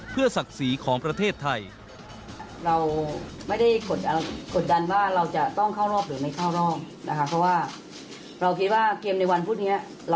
เพื่อศักดิ์ศรีของประเทศไทย